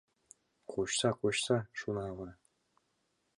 — Кочса, кочса, — шуна ава.